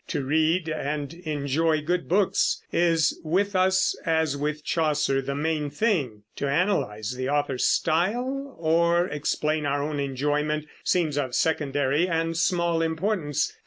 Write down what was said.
To read and enjoy good books is with us, as with Chaucer, the main thing; to analyze the author's style or explain our own enjoyment seems of secondary and small importance.